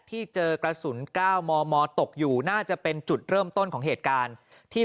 ที่เจอกระสุน๙มมตกอยู่น่าจะเป็นจุดเริ่มต้นของเหตุการณ์ที่